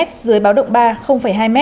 dưới báo động ba hai m